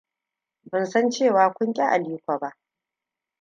Ban san cewa kun ƙi Aliko ba.